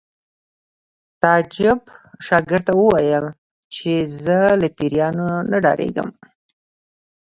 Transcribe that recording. تعجب شاګرد ته وویل چې زه له پیریانو نه ډارېږم